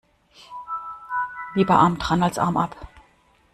Lieber arm dran als Arm ab.